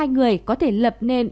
ba mươi hai người có thể lập nên